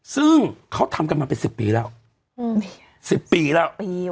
ซึ่งเขาทำกันมาเป็น๑๐ปีแล้ว๑๐ปีแล้ว